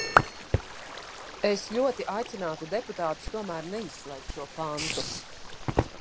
Es ļoti aicinātu deputātus tomēr neizslēgt šo pantu.